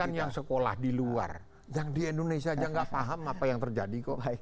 bukan yang sekolah di luar yang di indonesia aja nggak paham apa yang terjadi kok